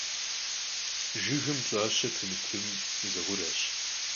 Jjıgım pş'aşe pımıtme, zı khureş.